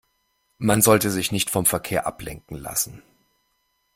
Man sollte sich nicht vom Verkehr ablenken lassen.